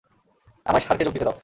আমায় শার্কে যোগ দিতে দাও।